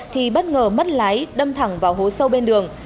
thì bất ngờ mất lái đâm thẳng vào hố sâu bên đường